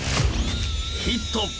ヒット！